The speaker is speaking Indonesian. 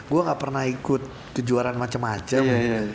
gue gak pernah ikut kejuaraan macem macem